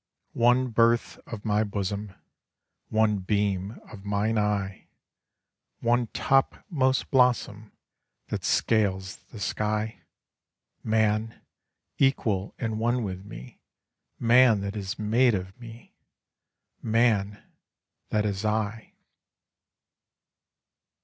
One birth of my bosom; One beam of mine eye; One topmost blossom That scales the sky; Man, equal and one with me, man that is made of me, man that is I.